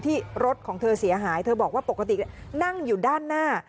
ที่รถของเธอเสียหายเธอบอกว่าปกตินั่งอยู่ด้านหน้า